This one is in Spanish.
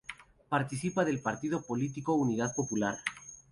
Participa del partido político Unidad Popular.